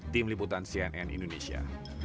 tim liputan cnn indonesia